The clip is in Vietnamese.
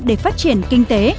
để phát triển kinh tế